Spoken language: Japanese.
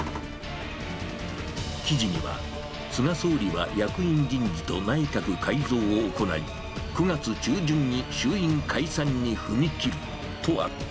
記事には、菅総理は役員人事と内閣改造を行い、９月中旬に衆院解散に踏み切るとあった。